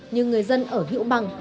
nhưng người dân ở hiệu bằng